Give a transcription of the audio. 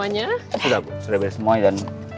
apakah kamu akan koduikan